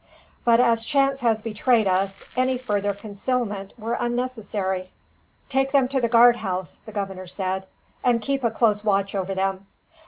But as chance has betrayed us, any further concealment were unnecessary." "Take them to the guard house," the governor said, "and keep a close watch over them.